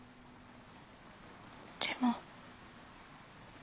でも。